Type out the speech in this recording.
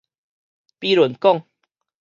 比論講